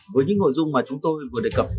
với những nội dung mà chúng tôi vừa đề cập